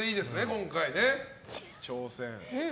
今回の挑戦。